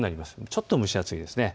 ちょっと蒸し暑いです。